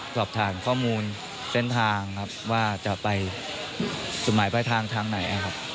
สอบถามข้อมูลเต้นทางว่าจะไปสมัยภายทางทั้งไหน